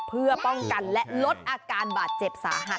เพื่อป้องกันและลดอาการบาดเจ็บสาหัส